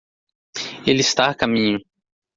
Ele está a caminho.